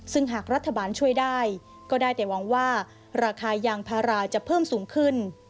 ซึ่งหากรัฐบาลช่วยได้ก็ได้แต่หวังว่าราคายางพาราจะเพิ่มสูงขึ้น